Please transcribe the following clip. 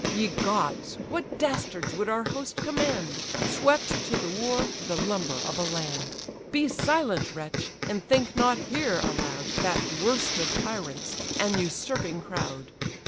Ye gods, what dastards would our host command! Swept to the war, the lumber of a land. Be silent, wretch, and think not here allow'd That worst of tyrants, an usurping crowd.